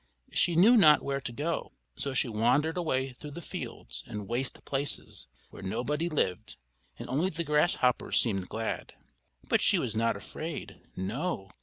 She knew not where to go; so she wandered away through the fields and waste places, where nobody lived and only the grasshoppers seemed glad. But she was not afraid, no!